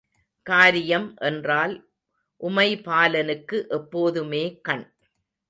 காரியம் என்றால் உமைபாலனுக்கு எப்போதுமே கண்.